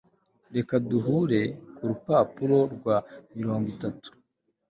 reka duhere ku rupapuro rwa mirongo itatu